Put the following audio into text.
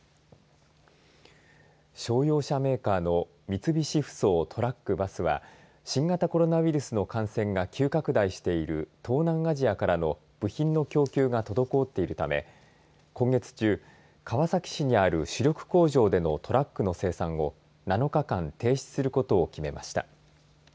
商用車メーカーの三菱ふそうトラック・バスは新型コロナウイルスの感染が急拡大している東南アジアからの部品の供給が滞っているため今月中川崎市にある主力工場でのトラックの生産を７日間停止することを決めました。